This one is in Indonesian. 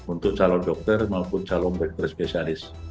untuk calon dokter maupun calon presbisialis